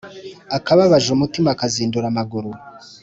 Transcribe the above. Akababaje umutima kazindura amaguru.